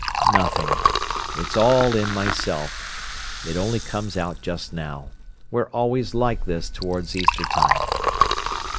"Nothing—it's all in myself—it only comes out just now. We're always like this towards Easter time."